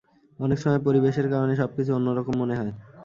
অনেক সময় পরিবেশের কারণে সবকিছু অন্য রকম মনে হয়।